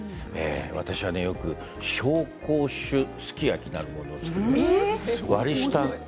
私はよく紹興酒すき焼きなるものを作ります。